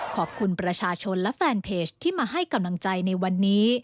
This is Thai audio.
ขอบคุณประชาชนและแฟนเพจที่มาให้กำลังใจในวันนี้